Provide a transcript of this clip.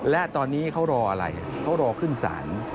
และตอนนี้เขารออะไรเขารอขึ้นศาล